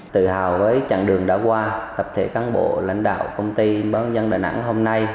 tự hào với chặng đường đã qua tập thể cán bộ lãnh đạo công ty báo dân đà nẵng hôm nay